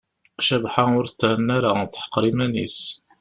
Cabḥa ur tettthenna ara, teḥqer iman-is.